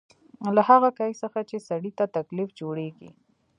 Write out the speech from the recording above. له هغه کېک څخه چې سړي ته تکلیف جوړېږي.